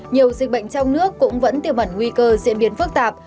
nhiều dịch bệnh trong nước cũng vẫn tiêu bẩn nguy cơ diễn biến phức tạp